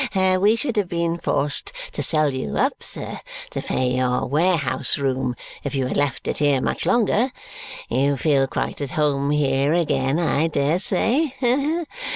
Ha! Ha! We should have been forced to sell you up, sir, to pay your warehouse room if you had left it here much longer. You feel quite at home here again, I dare say?